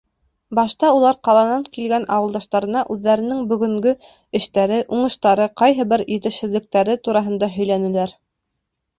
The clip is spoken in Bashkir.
Башта улар ҡаланан килгән ауылдаштарына үҙҙәренең бөгөнгө эштәре, уңыштары, ҡайһы бер етешһеҙлектәре тураһында һөйләнеләр.